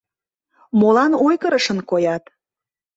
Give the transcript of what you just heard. — Молан ойгырышын коят?